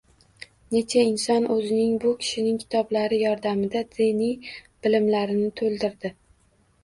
Necha inson o‘zining bu kishining kitoblari yordamida diniy bilimlarini to‘ldirdi